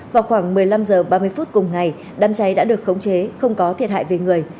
vào khoảng một mươi năm h ba mươi phút cùng ngày đám cháy đã được khống chế không có thiệt hại về người